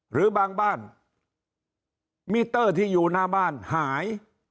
หรือบางบ้านมิเตอร์ที่อยู่หน้าบ้านหาย